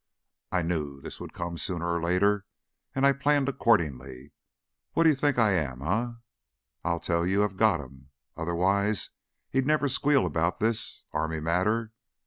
I knew this would come, sooner or later, and I planned accordingly. What d'you think I am, eh? I tell you I've got him! Otherwise he'd never squeal about this army matter.